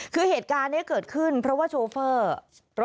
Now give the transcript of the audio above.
คือเหตุการณ์นี้เกิดขึ้นเพราะว่าโชเฟอร์รถ